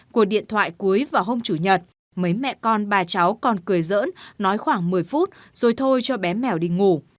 của điện thoại cuối và hôm chủ nhật mấy mẹ con bà cháu còn cười dỡn nói khoảng một mươi phút rồi thôi cho bé mèo đi ngủ